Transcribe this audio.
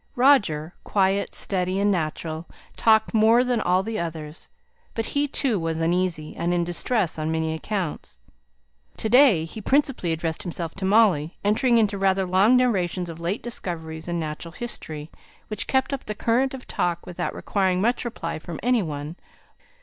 Roger, quiet, steady, and natural, talked more than all the others; but he too was uneasy, and in distress on many accounts. To day he principally addressed himself to Molly; entering into rather long narrations of late discoveries in natural history, which kept up the current of talk without requiring much reply from any one.